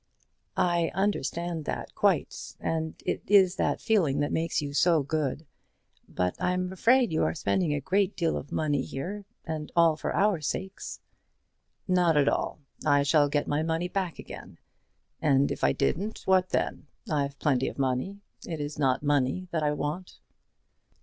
"I understand that quite, and it is that feeling that makes you so good. But I'm afraid you are spending a great deal of money here and all for our sakes." "Not at all. I shall get my money back again. And if I didn't, what then? I've plenty of money. It is not money that I want."